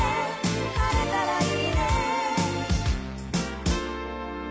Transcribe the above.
「晴れたらいいね」